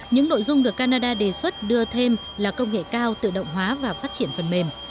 những nội dung được canada đề xuất đưa thêm là công nghệ cao tự động hóa và phát triển phần mềm